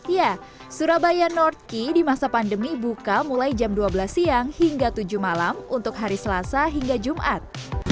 ya surabaya north key di masa pandemi buka mulai jam dua belas siang hingga tujuh malam untuk hari selasa hingga jumat